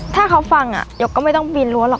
ถ้าเขาฟังยกก็ไม่ต้องปีนรั้วหรอก